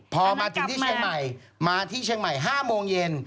พอมาจึงที่เชียงใหม่๕โมงเย็น